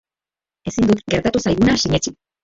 Ezin dut gertatu zaiguna sinetsi.